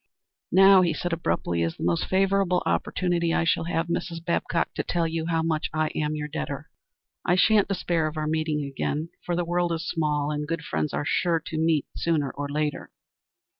"Now," he said, abruptly, "is the most favorable opportunity I shall have, Mrs. Babcock, to tell you how much I am your debtor. I shan't despair of our meeting again, for the world is small, and good friends are sure to meet sooner or later.